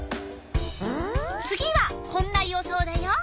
次はこんな予想だよ。